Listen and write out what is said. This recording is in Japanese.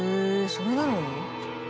それなのに？